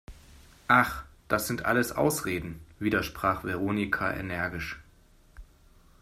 Ach, das sind alles Ausreden!, widersprach Veronika energisch.